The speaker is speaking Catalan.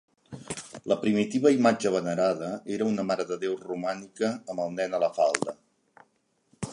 La primitiva imatge venerada era una marededéu romànica amb el Nen a la falda.